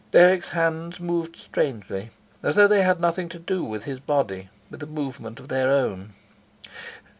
Dirk's hands moved strangely, as though they had nothing to do with his body, with a movement of their own.